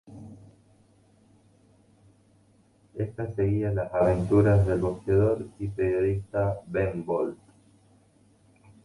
Ésta seguía las aventuras del boxeador y periodista Ben Bolt.